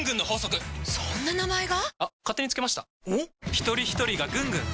ひとりひとりがぐんぐん！